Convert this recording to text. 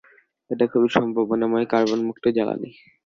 এটা খুবই সম্ভাবনাময় কার্বন-মুক্ত জ্বালানি।